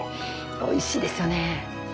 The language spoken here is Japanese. おいしいですよね。